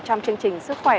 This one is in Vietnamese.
trong chương trình sức khỏe